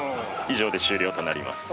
以上で終了となります。